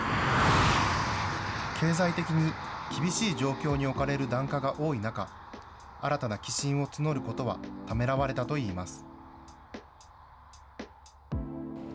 経済的に厳しい状況に置かれる檀家が多い中、新たな寄進を募ることはためらわれたといいます。